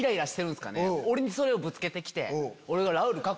俺にそれをぶつけて来て。